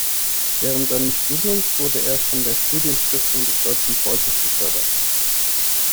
Während seines Studiums wurde er von der Studienstiftung des deutschen Volkes gefördert.